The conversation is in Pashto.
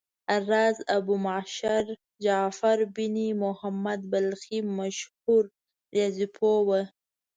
راز ابومعشر جعفر بن محمد بلخي مشهور ریاضي پوه و.